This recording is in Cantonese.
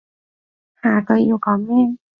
下句要講咩？